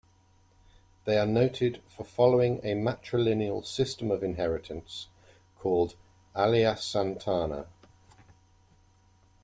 They are noted for following a matrilineal system of inheritance called Aliyasantana.